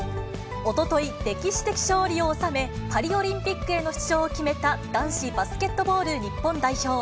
おととい、歴史的勝利を収め、パリオリンピックへの出場を決めた男子バスケットボール日本代表。